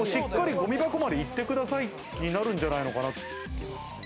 しっかりごみ箱まで行ってくださいになるんじゃないのかなって。